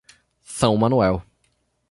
São Manuel